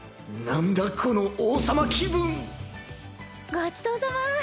ごちそうさま！